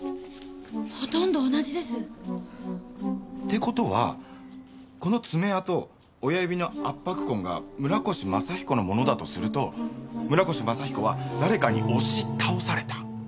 ほとんど同じです。って事はこの爪痕親指の圧迫痕が村越正彦のものだとすると村越正彦は誰かに押し倒された。